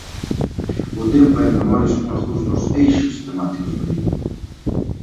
O tempo e a memoria son algúns dos eixes temáticos do libro.